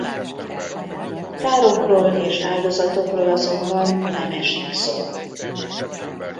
Károkról és áldozatokról azonban nem esik szó.